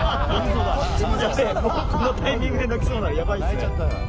このタイミングで泣きそうなのやばいですね。